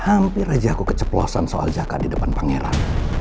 hampir aja aku keceplosan soal jaka di depan pangeran